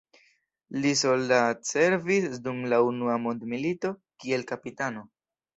Li soldatservis dum la unua mondmilito kiel kapitano.